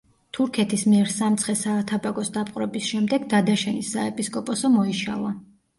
თურქეთის მიერ სამცხე-საათაბაგოს დაპყრობის შემდეგ დადაშენის საეპისკოპოსო მოიშალა.